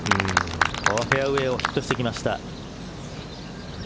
このフェアウエーをヒットしてきました。